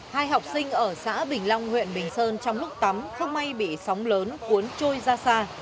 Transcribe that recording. hai học sinh ở xã bình long huyện bình sơn trong lúc tắm không may bị sóng lớn cuốn trôi ra xa